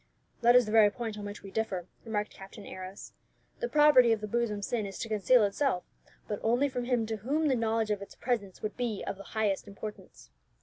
"That is the very point on which we differ," remarked Captain Arrows. "The property of the bosom sin is to conceal itself, but only from him to whom the knowledge of its presence would be of the highest importance.